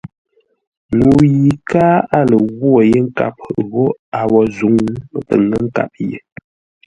Ŋuu yi káa a lə ghwô yé nkâp ghó a wǒ zǔŋ, pə ŋə́ nkâp ye.